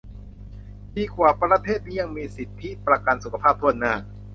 ดีว่าประเทศนี้ยังมีสิทธิประกันสุขภาพถ้วนหน้า